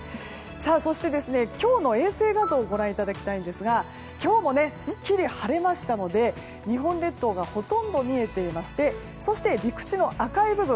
そして、今日の衛星画像ご覧いただきたいんですが今日もすっきり晴れましたので日本列島がほとんど見えていましてそして、陸地の赤い部分。